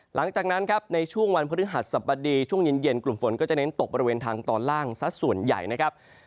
หลังจากนั้นครับในช่วงวันพฤหัสสบดีช่วงเย็นกลุ่มฝนก็จะเน้นตกบริเวณทางตอนล่างสักส่วนใหญ่นะครับ